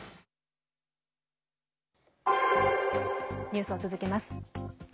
ニュースを続けます。